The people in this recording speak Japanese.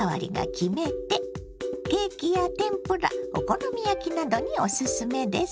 ケーキや天ぷらお好み焼きなどにおすすめです。